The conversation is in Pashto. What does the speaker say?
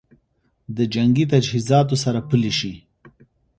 د جنګي تجهیزاتو سره پلي شي